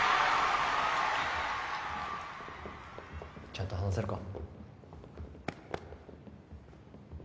ちゃんと話せるか？